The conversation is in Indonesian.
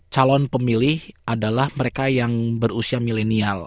calon pemilih adalah mereka yang berusia milenial